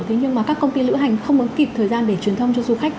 thế nhưng mà các công ty lựa hành không có kịp thời gian để truyền thông cho du khách